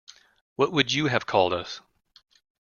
What would you have us called?